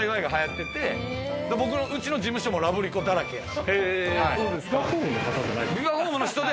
うちの事務所もラブリコだらけやし。